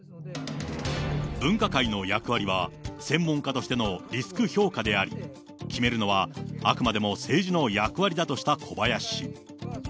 分科会の役割は、専門家としてのリスク評価であり、決めるのはあくまでも政治の役割だとした小林氏。